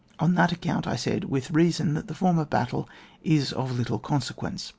On that ac« count I said, with reason, that the form of the order of battle is of little consequence.